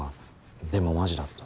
でもマジだった。